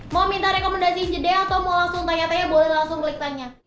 mau minta rekomendasi jeda atau mau langsung tanya tanya boleh langsung klik tanya